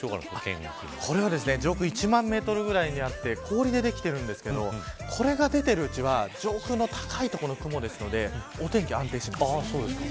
上空１万メートルぐらいにあって氷でできていますがこれが出ているうちは、上空の高い所の雲ですのでお天気は安定します。